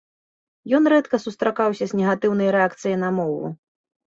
Ён рэдка сустракаўся з негатыўнай рэакцыяй на мову.